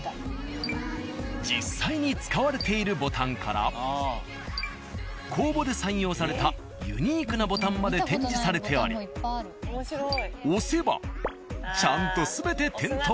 実際に使われているボタンから公募で採用されたユニークなボタンまで展示されており押せばちゃんと全て点灯。